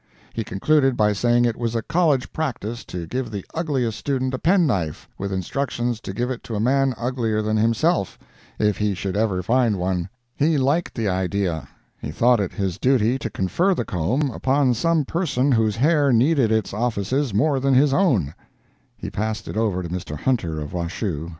He concluded by saying it was a college practice to give the ugliest student a penknife, with instructions to give it to a man uglier than himself, if he should ever find one. He liked the idea—he thought it his duty to confer the comb upon some person whose hair needed its offices more than his own. [He passed it over to Mr. Hunter, of Washoe.